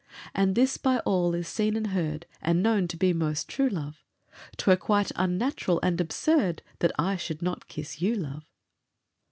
As this by all is seen and heard And known to be most true, love, 'Twere quite unnatural and absurd That I should not kiss you, love.